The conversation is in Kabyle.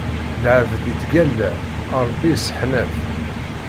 Lɛebd ittgalla, Ṛebbi isseḥnat.